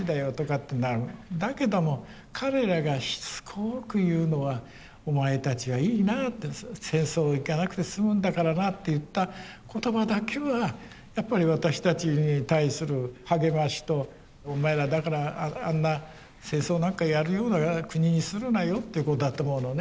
だけども彼らがしつこく言うのはお前たちはいいなあって戦争行かなくてすむんだからなあって言った言葉だけはやっぱり私たちに対する励ましとお前らだからあんな戦争なんかやるような国にするなよってことだと思うのね。